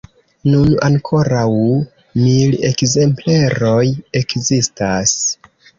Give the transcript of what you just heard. Nun ankoraŭ mil ekzempleroj ekzistas.